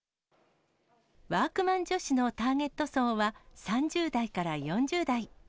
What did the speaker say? ワークマン女子のターゲット層は３０代から４０代。